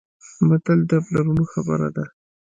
متل د پلرونو خبره ده.